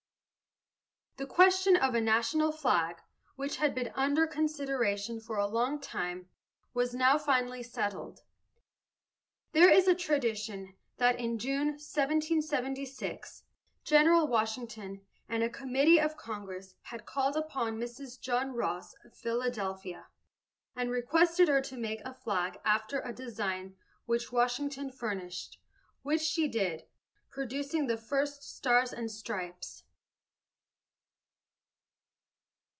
The question of a national flag, which had been under consideration for a long time, was now finally settled. There is a tradition that in June, 1776, General Washington and a committee of Congress had called upon Mrs. John Ross, of Philadelphia, and requested her to make a flag after a design which Washington furnished, which she did, producing the first "stars and stripes."